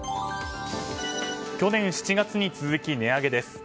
去年７月に続き値上げです。